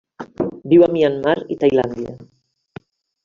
Viu a Myanmar i Tailàndia.